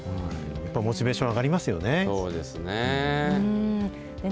やっぱりモチベーション上がりますよね。